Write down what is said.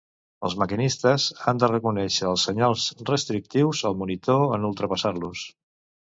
Els maquinistes han de reconèixer els senyals restrictius al monitor en ultrapassar-los.